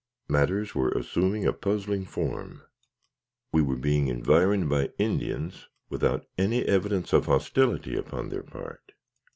Matters were assuming a puzzling form. We were being environed by Indians without any evidence of hostility upon their part.